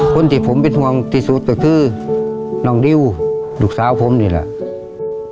คนที่ผมเป็นห่วงที่สุดก็คือน้องดิวลูกสาวผมนี่แหละ